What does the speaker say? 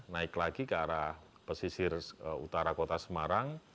naik lagi ke arah pesisir utara kota semarang